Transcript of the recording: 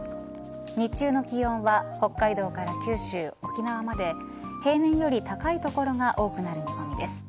日中の気温は北海道から九州、沖縄まで平年より高い所が多くなる見込みです。